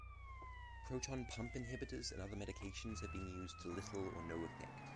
Proton pump inhibitors and other medications have been used to little or no effect.